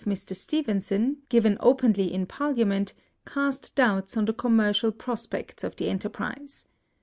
IX of Mr Stephenson, given openly in Parlia ment, cast doubts on the commercial pro spects of the enterprise.